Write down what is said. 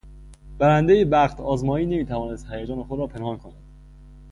برندهی بختآزمایی نمی توانست هیجان خود را پنهان کند.